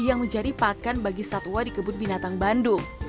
yang menjadi pakan bagi satwa di kebun binatang bandung